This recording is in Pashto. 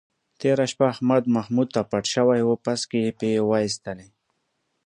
تېره شپه احمد محمود ته پټ شوی و، پسکې یې پې وایستلی.